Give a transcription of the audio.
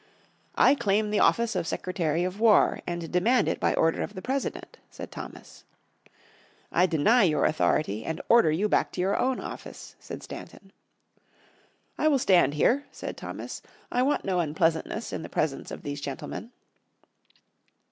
"I claim the office of Secretary of War, and demand it by order of the President," said Thomas. "I deny your authority, and order you back to your own office," said Stanton. "I will stand here," said Thomas. "I want no unpleasantness in the presence of these gentlemen."